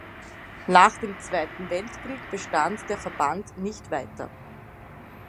Nach dem Zweiten Weltkrieg bestand der Verband nicht weiter.